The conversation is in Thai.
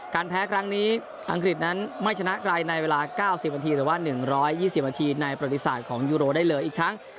แพ้ครั้งนี้อังกฤษนั้นไม่ชนะใครในเวลา๙๐นาทีหรือว่า๑๒๐นาทีในประวัติศาสตร์ของยูโรได้เลยอีกทั้ง